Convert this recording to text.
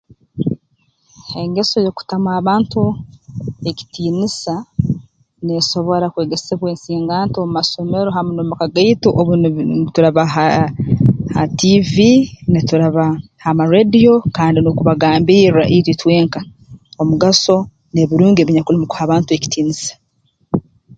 Engeso y'okutamu abantu ekitiinisa neesobora kwegesebwa ensinganto omu masomero hamu n'omu maka gaitu obu nitu nituraba ha ha ha tiivi nituraba ha marrediyo kandi n'okubagambirra itwe itwenka omugaso n'ebirungi ebinyakuli mu kuha abantu ekitiinisa